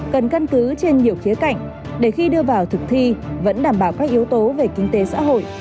cần căn cứ trên nhiều khía cạnh để khi đưa vào thực thi vẫn đảm bảo các yếu tố về kinh tế xã hội